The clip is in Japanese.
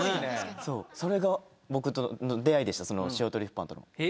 それが出合いでしたその塩トリュフパンとの。